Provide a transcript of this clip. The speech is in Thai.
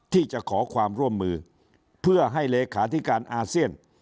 ที่จะขอความร่วมมือเพื่อให้เลขาธิการอาเซียน